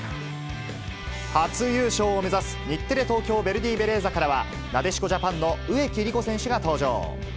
初優勝を目指す、日テレ・東京ヴェルディベレーザからは、なでしこジャパンの植木理子選手が登場。